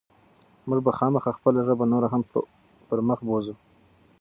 موږ به خامخا خپله ژبه نوره هم پرمخ بوځو.